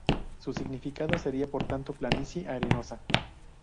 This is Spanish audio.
Su significado sería, por tanto, planicie arenosa.